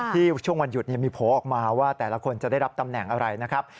ช่วงวันหยุดมีโผล่ออกมาว่าแต่ละคนจะได้รับตำแหน่งอะไรนะครับ